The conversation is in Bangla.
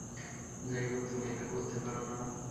যাইহোক, তুমি এটা করতে পারো না।